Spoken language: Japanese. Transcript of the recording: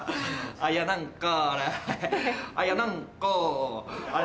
あいや何かあれ。